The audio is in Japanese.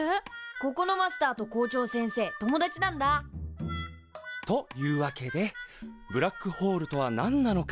ここのマスターと校長先生友達なんだ。というわけでブラックホールとは何なのか？